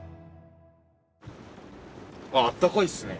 あったかいっすね！